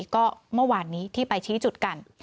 ก็เมื่อวานนี้ที่ไปชี้จุดกัน